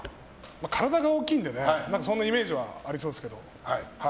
体が大きいのでそんなイメージはありそうですけど。